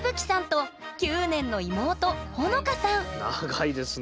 長いですね。